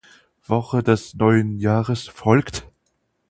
Woche des neuen Jahres folgt.